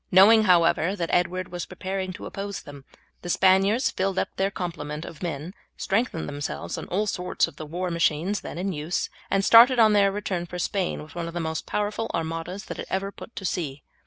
Knowing, however, that Edward was preparing to oppose them, the Spaniards filled up their complement of men, strengthened themselves by all sorts of the war machines then in use, and started on their return for Spain with one of the most powerful armadas that had ever put to sea.